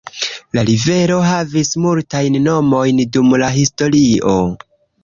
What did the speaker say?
La rivero havis multajn nomojn dum la historio.